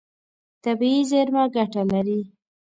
طبیعي زیرمه ګټه لري.